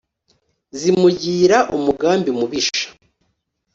Zimugira umugambi mubisha